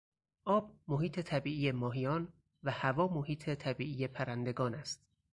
آب محیط طبیعی ماهیان و هوا محیط طبیعی پرندگان است.